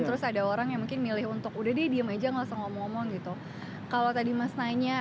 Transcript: terus ada orang yang mungkin milih untuk udah deh diam aja langsung ngomong gitu kalo tadi mas nanya